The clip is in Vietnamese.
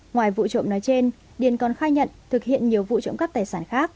ngoài vụ trộm nói trên điền còn khai nhận thực hiện nhiều vụ trộm cắp tài sản khác